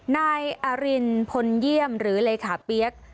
นายอรินพลเยี่ยมหรือเลขาเปี๊ยก